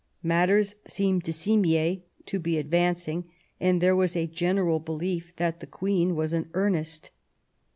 '' Matters seemed to Simier to be advancing, and there was a general belief that the Queen was in earnest.